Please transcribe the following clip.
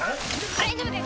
大丈夫です